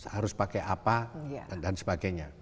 harus pakai apa dan sebagainya